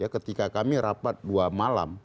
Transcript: ketika kami rapat dua malam